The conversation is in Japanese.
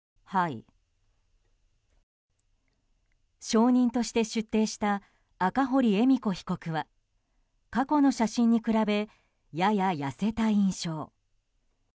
証人として出廷した赤堀恵美子被告は過去の写真に比べやや痩せた印象。